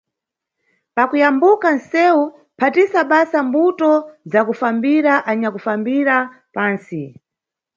Pakuyambuka nʼsewu, phatisa basa mbuto zakufambira anyanʼfambira pantsi.